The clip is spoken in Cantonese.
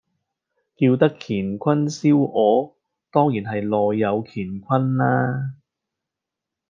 叫得乾坤燒鵝，當然係內有乾坤啦